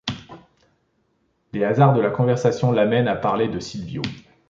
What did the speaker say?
Les hasards de la conversation l'amènent à parler de Silvio.